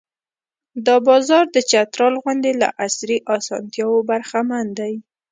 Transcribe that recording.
دا بازار د چترال غوندې له عصري اسانتیاوو برخمن دی.